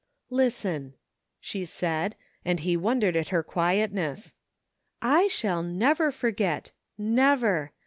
" Listen !" she said, and he wondered at her quiet ness. "I shall never forget. Never!